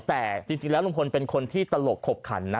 แต่จริงแล้วลุงพลเป็นคนที่ตลกขบขันนะ